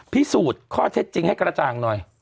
พิสูจน์ข้อเท็จจริงให้กระจ่างหน่อย